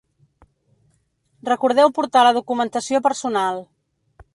Recordeu portar la documentació personal.